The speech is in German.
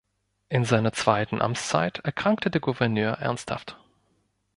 In seiner zweiten Amtszeit erkrankte der Gouverneur ernsthaft.